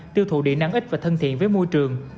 tiêu thụ điện nắng ít và thân thiện với môi trường